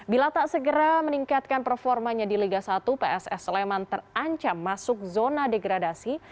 bila tak segera meningkatkan performanya di liga satu pss sleman terancam masuk zona degradasi